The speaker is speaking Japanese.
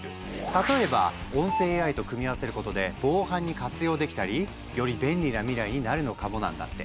例えば音声ＡＩと組み合わせることで防犯に活用できたりより便利な未来になるのかもなんだって。